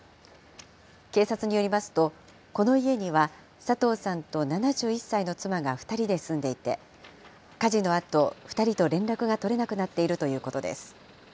警察によりますと、この家には佐藤さんと７１歳の妻が２人で住んでいて、火事のあと、２人と連絡が取れなくなっているということです。